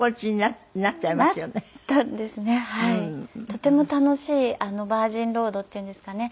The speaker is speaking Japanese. とても楽しいバージンロードっていうんですかね。